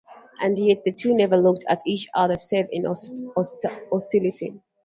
And yet the two never looked at each other save in hostility.